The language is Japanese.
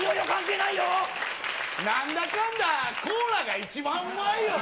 なんだかんだ、コーラが一番うまいよね。